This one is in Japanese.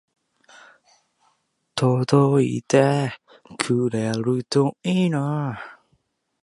届いてくれるといいな